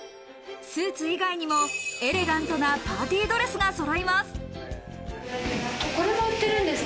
スーツ以外にもエレガントなパーティードレスがそろいます。